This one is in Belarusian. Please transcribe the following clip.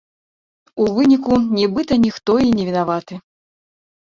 У выніку, нібыта, ніхто і не вінаваты.